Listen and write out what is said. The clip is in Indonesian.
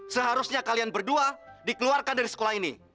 seharusnya kalian berdua dikeluarkan dari sekolah ini